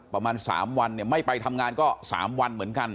ประมาณ๓วันเนี่ยไม่ไปทำงานก็๓วันเหมือนกัน